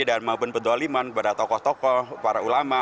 dan maupun peduliman kepada tokoh tokoh para ulama